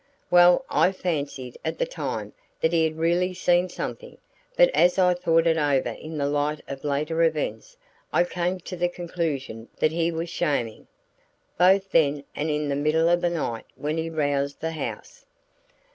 "Well, I fancied at the time that he had really seen something, but as I thought it over in the light of later events I came to the conclusion that he was shamming, both then and in the middle of the night when he roused the house."